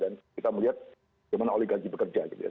dan kita melihat gimana oligarki bekerja gitu ya